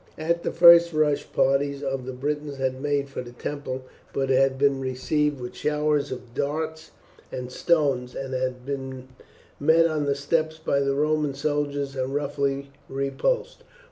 At the first rush parties of the Britons had made for the temple, but had been received with showers of darts and stones, and had been met on the steps by the Roman soldiers and roughly repulsed.